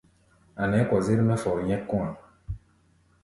A̧ nɛɛ́ kɔzér mɛ́ fɔr nyɛ́k kɔ̧́-a̧.